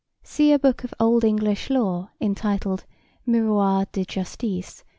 (See a book of old English Law entitled Miroir des Justices, Ch.